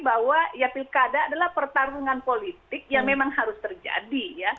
bahwa ya pilkada adalah pertarungan politik yang memang harus terjadi ya